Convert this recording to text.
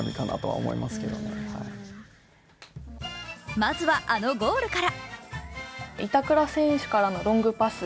まずはあのゴールから。